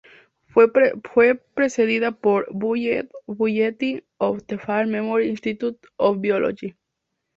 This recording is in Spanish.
Fue precedida por "Bulletin of the Fan Memorial Institute of Biology".